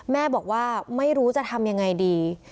แม่บอกว่าไม่รู้จะทำยังไงดี